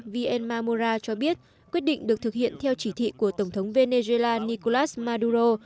v enma mora cho biết quyết định được thực hiện theo chỉ thị của tổng thống venezuela nicolas maduro